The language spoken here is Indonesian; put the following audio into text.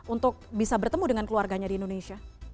untuk bisa bertemu dengan keluarganya di indonesia